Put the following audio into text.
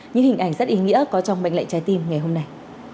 những hình ảnh rất ý nghĩa có trong mệnh lệnh trái tim ngày hôm nay